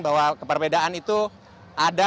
bahwa keperbedaan itu ada